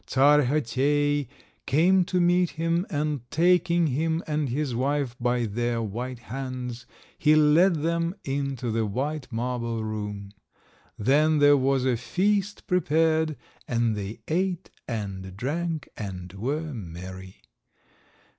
Czar Chotei came to meet him, and taking him and his wife by their white hands he led them into the white marble room. Then there was a feast prepared, and they ate and drank and were merry.